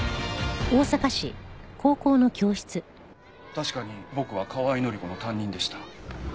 確かに僕は河合範子の担任でした。